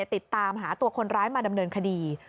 ติดตามหาตัวคนร้ายมาดำเนินคดี